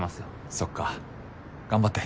そっか頑張って。